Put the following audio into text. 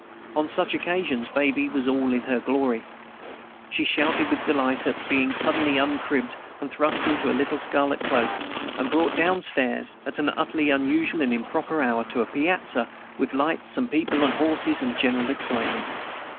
On such occasions Baby was in all her glory. She shouted with delight at being suddenly uncribbed and thrust into her little scarlet cloak, and brought down stairs, at an utterly unusual and improper hour, to a piazza with lights and people and horses and general excitement.